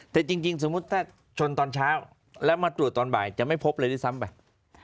แต่จริงสมมุติถ้าชนตอนเช้าแล้วมาตรวจตอนบ่ายจะไม่พบเลยด้วยซ้ำไป